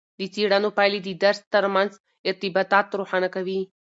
د څیړنو پایلې د درس ترمنځ ارتباطات روښانه کوي.